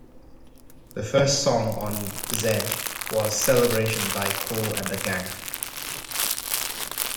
The first song on "Z" was "Celebration" by Kool and the Gang.